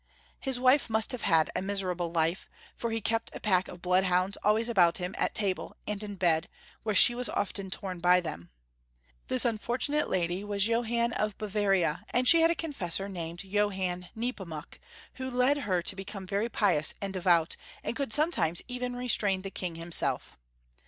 His wife must have had a miserable life, for he kept a pack of bloodhoimds always about him at table and in bed, where she was often torn by them. 226 Young Folks^ History of Germany. This unfortunate lady was Johann of Bavaria, and she had a confessor named Johann Nepomuk, who led her to become very pious and devout, and could sometimes even restrain the King himself.